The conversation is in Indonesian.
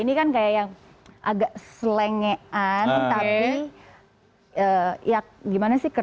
ini kan kayak yang agak selengean tapi ya gimana sih